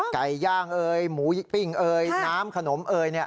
ไก่ย่างเอ๋ยหมูปิ่งเอ๋ยน้ำขนมเอ๋ย